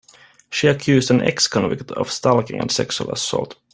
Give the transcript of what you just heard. She accused an ex-convict of stalking and sexual assault.